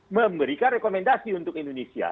memberikan rekomendasi untuk indonesia